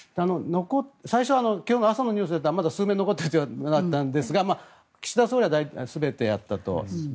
最初は今日の朝のニュースだとまだ数名残っているということだったんですが岸田総理は全てやったと。